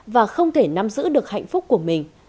và không thể nắm giữ được hạnh phúc của mình